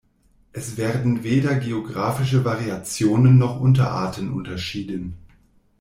Es werden weder geographische Variationen noch Unterarten unterschieden.